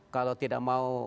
kalau tidak mau